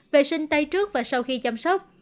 vệ sinh tay trước và sau khi chăm sóc